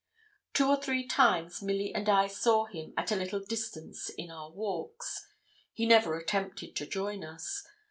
Two or three times Milly and I saw him at a little distance in our walks. He never attempted to join us.